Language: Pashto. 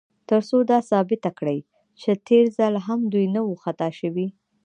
تر څو دا ثابته کړي، چې تېر ځل هم دوی نه و خطا شوي.